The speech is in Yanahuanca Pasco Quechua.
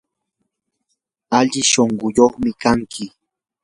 ali shunquyuqmi kanki.